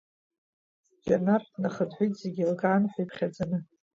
Џьанар днахынҳәит, зегьы еилкаан ҳәа иԥхьаӡаны.